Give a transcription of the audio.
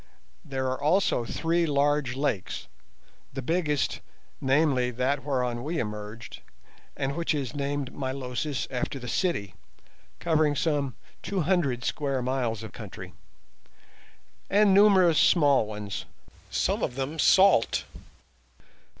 There are also three large lakes—the biggest, namely that whereon we emerged, and which is named Milosis after the city, covering some two hundred square miles of country—and numerous small ones, some of them salt.